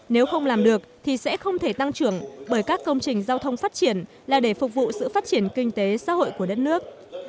nếu không làm được thì sẽ không thể tăng trưởng bởi các công trình giao thông phát triển là để phục vụ sự phát triển kinh tế xã hội của đất nước